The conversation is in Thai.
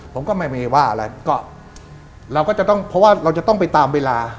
ผมติดมาเราก็ไม่บอกว่าจะต้องไปตามเวลา